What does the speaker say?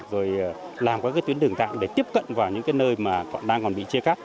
rồi làm các tuyến đường tạm để tiếp cận vào những nơi đang còn bị chia cắt